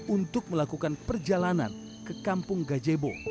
untuk melakukan perjalanan ke kampung gajebo